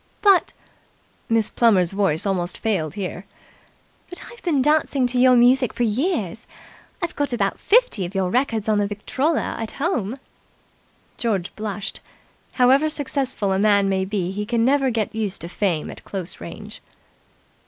"But " Miss Plummer's voice almost failed here "But I've been dancing to your music for years! I've got about fifty of your records on the Victrola at home." George blushed. However successful a man may be he can never get used to Fame at close range.